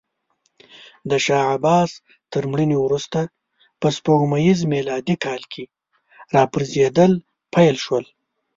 د شاه عباس تر مړینې وروسته په سپوږمیز میلادي کال کې راپرزېدل پیل شول.